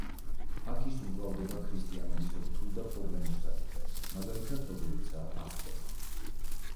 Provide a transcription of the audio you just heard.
აქ ის უმკლავდება ქრისტიანობის რთულ და პრობლემურ საკითხებს, მაგალითად როგორიცაა: აღდგომა.